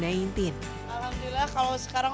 alhamdulillah kalau sekarang